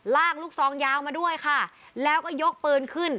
ลูกซองยาวมาด้วยค่ะแล้วก็ยกปืนขึ้น